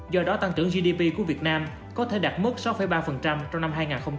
do đó tăng trưởng gdp của việt nam có thể đạt mức sáu ba trong năm hai nghìn hai mươi